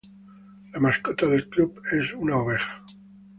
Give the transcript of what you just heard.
La mascota del club es una oveja.